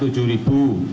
di jawa rp tujuh